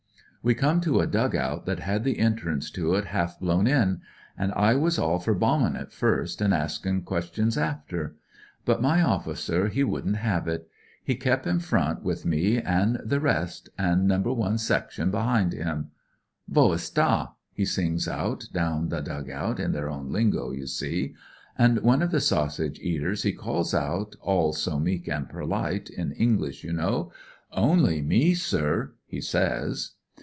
We come to a dug out that had the entrance to it half blown in, an' I was all for bombin' it first, and askin' questions after. But my officer, he " IT'S A GREAT DO )} 225 wouldn't have it. He kep' in front, with me an' the rest o' No. 1 section behind him. * Wo ist da ?' he sings out down the dug out, in their own lingo, you see. And one of the sausage eaters he calls out, all so meek an' perUte, in English, you know: * Only me, sir,' he says.